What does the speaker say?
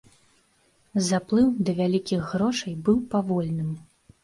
Заплыў да вялікіх грошай быў павольным.